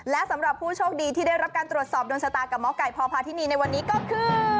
และสำหรับผู้โชคดีที่ได้รับการตรวจสอบโดนชะตากับหมอไก่พพาธินีในวันนี้ก็คือ